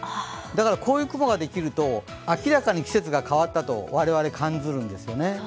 だから、こういう雲ができると明らかに季節が変わったと我々は感ずるんですね。